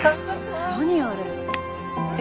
何あれ？